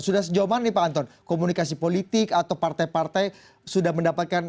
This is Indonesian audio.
sudah sejauh mana pak anton komunikasi politik atau partai partai sudah mendapatkan